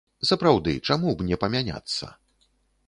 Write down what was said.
Сапраўды, чаму б не памяняцца?